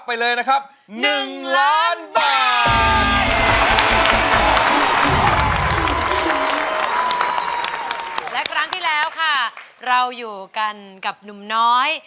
นี่มีร้องที่เราเหลือครบ๑๐เพรง